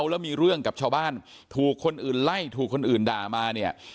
แล้วมีเรื่องกับชาวบ้านถูกคนอื่นไล่ถูกคนอื่นด่ามาเนี่ย